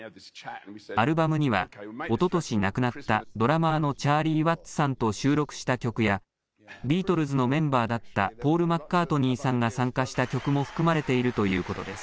アルバムにはおととし亡くなったドラマーのチャーリー・ワッツさんと収録した曲やビートルズのメンバーだったポール・マッカートニーさんが参加した曲も含まれているということです。